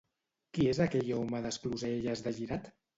Qui és aquell home d'Escloselles de Girat?